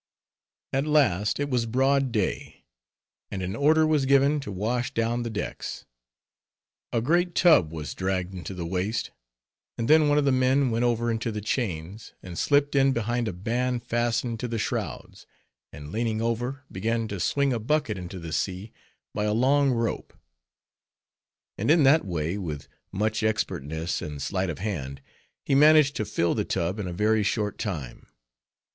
At last it was broad day, and an order was given to wash down the decks. A great tub was dragged into the waist, and then one of the men went over into the chains, and slipped in behind a band fastened to the shrouds, and leaning over, began to swing a bucket into the sea by a long rope; and in that way with much expertness and sleight of hand, he managed to fill the tub in a very short time.